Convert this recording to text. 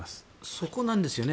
そこなんですよね。